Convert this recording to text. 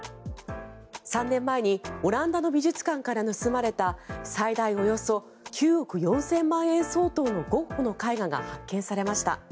３年前にオランダの美術館から盗まれた最大およそ９億４０００万円相当のゴッホの絵画が発見されました。